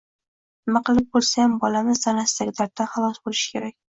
Nima qilib bo‘lsayam, bolamiz tanasidagi darddan xalos bo‘lishi kerak.